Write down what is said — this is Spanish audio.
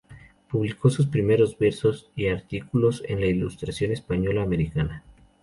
Publicó sus primeros versos y artículos en la Ilustración Española y Americana.